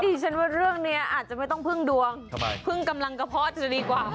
ดิฉันว่าเรื่องนี้อาจจะไม่ต้องพึ่งดวงพึ่งกำลังกระเพาะจะดีกว่า